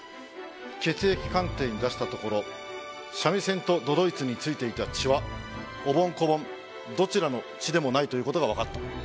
血液鑑定に出したところ三味線と都々逸に付いていた血はおぼん・こぼんどちらの血でもないという事がわかった。